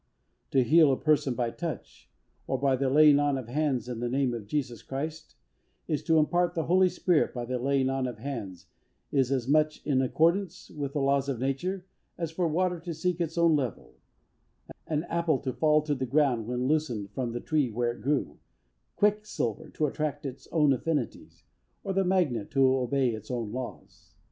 To heal a person by the touch, or by the laying on of hands in the name of Jesus Christ, or to impart the Holy Spirit by the laying on of hands, is as much in accordance with the laws of nature, as for water to seek its own level, an apple to fall to the ground when loosened from the tree where it grew, quicksilver to attract its own affinities, or the magnet to obey its own laws.